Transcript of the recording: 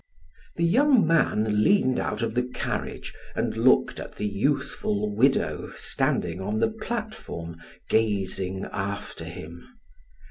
The young man leaned out of the carriage, and looked at the youthful widow standing on the platform gazing after him.